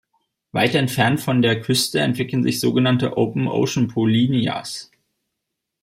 Weit entfernt von der Küste entwickeln sich so genannte "Open-Ocean-Polynyas".